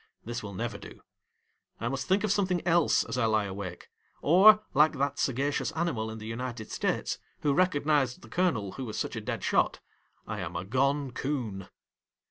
This will never do. I must think of something else as I lie awake ; or, like that sagacious animal in the United States who recognised the colonel who was such a dead shot, I am a gone 'Coon.